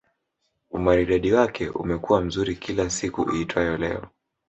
Umaridadi wake umekuwa mzuri kila siku iitwayo Leo